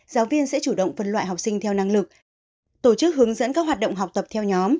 giáo viên sẽ chủ động phân loại học sinh theo năng lực tổ chức hướng dẫn các hoạt động học tập theo nhóm